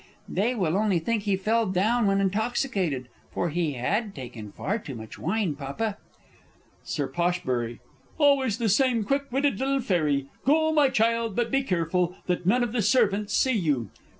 They will only think he fell down when intoxicated for he had taken far too much wine, Papa! Sir P. Always the same quick witted little fairy! Go, my child, but be careful that none of the servants see you.